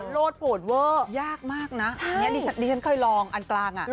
โลดโหวตเวอร์ยากมากนะดิฉันเคยลองอันกลาง